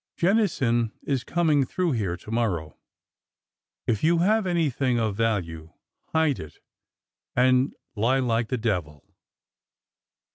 Jennison is coming through here to morrow. If you have anything of value, hide and lie like the devil!'